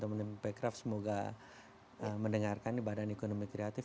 teman teman di back craft semoga mendengarkan di badan ekonomi kreatif